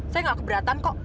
saya nggak keberatan kok